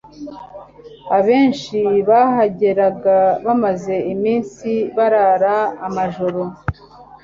Abenshi bahageraga bamaze iminsi barara amajoro